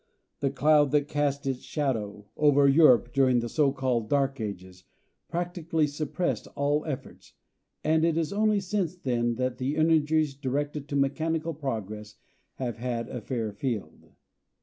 The cloud that cast its shadow over Europe during the so called dark ages, practically suppressed all efforts, and it is only since then that the energies directed to mechanical progress have had a fair field.